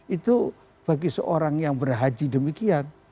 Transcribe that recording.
itu bagi seorang yang berhaji demikian